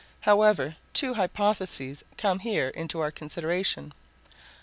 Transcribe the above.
However, two hypotheses come here into our consideration.